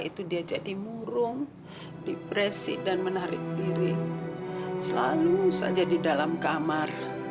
tante tidak mau saja di dalam kamar